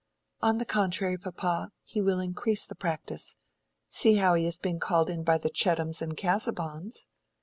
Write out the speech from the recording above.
"On the contrary, papa, he will increase the practice. See how he has been called in by the Chettams and Casaubons."